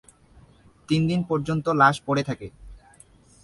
তিন দিন পর্যন্ত লাশ পড়ে থাকে।